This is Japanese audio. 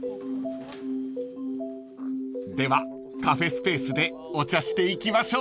［ではカフェスペースでお茶していきましょう］